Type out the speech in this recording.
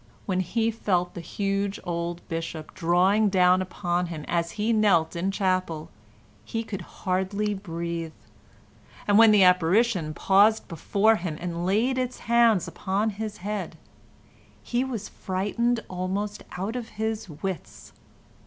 When he felt the huge old bishop drawing down upon him as he knelt in chapel he could hardly breathe, and when the apparition paused before him and laid its hands upon his head he was frightened almost out of his wits.